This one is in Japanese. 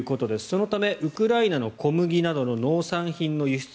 そのため、ウクライナの小麦などの農産品の輸出